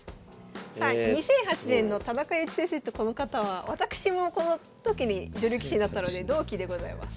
さあ２００８年の田中悠一先生とこの方は私もこの時に女流棋士になったので同期でございます。